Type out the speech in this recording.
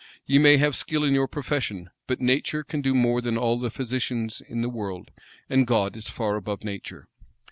Ye may have skill in your profession; but nature can do more than all the physicians in the world, and God is far above nature."